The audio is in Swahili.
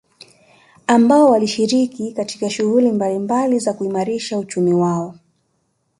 Ambao wanashiriki katika shuhguli mbalimbali za kuimarisha uchumi wao